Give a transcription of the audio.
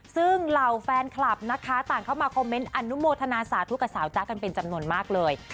ซึ่งเหล่าแฟนคลับนะคะต่างเข้ามาคอมเมนต์อนุโมทนาสาธุกับสาวจ๊ะกันเป็นจำนวนมากเลย